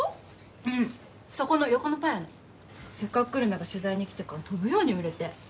うん、そこの横のパン「せっかくグルメ！！」が取材にしてから飛ぶように売れて。